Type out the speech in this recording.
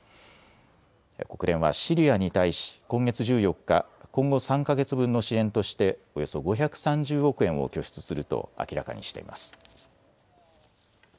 国連はシリアに対し今月１４日、今後３か月分の支援としておよそ５３０億円を拠出すると明らかにしています。